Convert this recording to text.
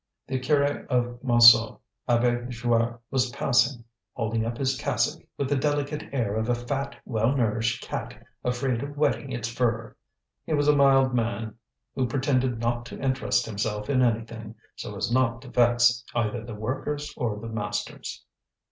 The Curé of Montsou, Abbé Joire, was passing, holding up his cassock, with the delicate air of a fat, well nourished cat afraid of wetting its fur. He was a mild man who pretended not to interest himself in anything, so as not to vex either the workers or the masters.